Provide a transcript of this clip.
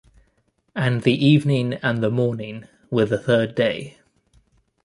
And the evening and the morning were the third day.